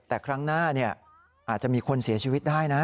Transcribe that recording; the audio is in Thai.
แต่ครั้งหน้าอาจจะมีคนเสียชีวิตได้นะ